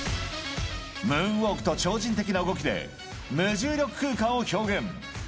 ムーンウォークと超人的な動きで、無重力空間を表現。